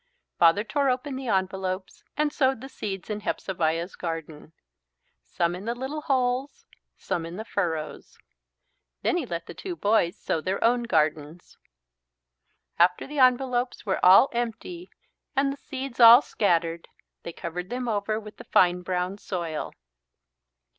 Father tore open the envelopes and sowed the seeds in Hepzebiah's garden, some in the little holes, some in the furrows. Then he let the two boys sow their own gardens. After the envelopes were all empty and the seeds all scattered they covered them over with the fine brown soil.